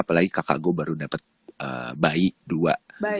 apalagi kakak gue baru dapat bayi dua